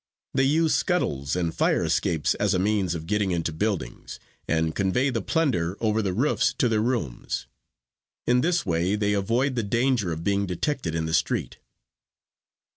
They use scuttles and fire escapes as a means of getting into buildings and convey the plunder over the roofs to their rooms. In this way they avoid the danger of being detected in the street.